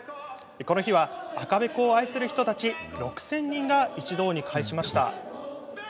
この日は赤べこを愛する人たち６０００人が一堂に会しました。